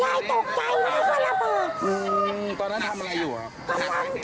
ยายตกใจว่านึกว่าระเบิด